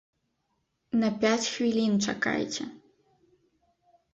На пяць хвілін чакайце!